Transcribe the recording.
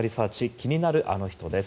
気になるアノ人です。